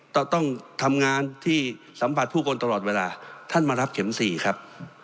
ต้องทำงานที่สัมผัสผู้คนตลอดเวลาท่านมารับเข็มสี่ครับ